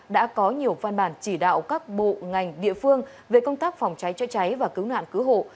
đã có nhiều văn bản chỉ đạo các bộ ngành địa phương về công tác phòng cháy chữa cháy và cứu nạn cứu hộ